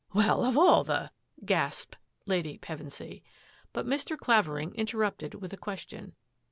" Well, of all the —" gasped Lady Pevensy. But Mr. Clavering interrupted with a question.